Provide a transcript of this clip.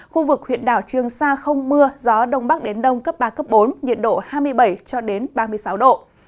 khu vực huyện đảo trường sa không mưa gió đông bắc đến đông cấp ba cấp bốn nhiệt độ hai mươi bảy cho đến ba mươi sáu độ